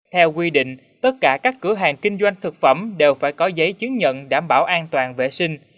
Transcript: theo quy định tất cả các cửa hàng kinh doanh thực phẩm đều phải có giấy chứng nhận đảm bảo an toàn vệ sinh